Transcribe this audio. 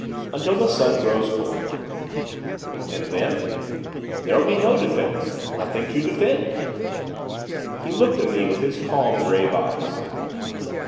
'Until the sun grows cold.' 'And then?' 'There'll be no defence, nothing to defend.' He looked at me with his calm, grave eyes.